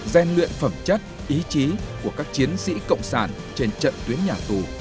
gian luyện phẩm chất ý chí của các chiến sĩ cộng sản trên trận tuyến nhà tù